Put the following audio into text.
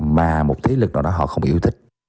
mà một thế lực nào đó họ không yêu thích